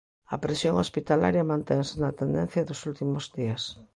A presión hospitalaria mantense na tendencia dos últimos días.